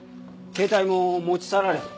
携帯も持ち去られてる。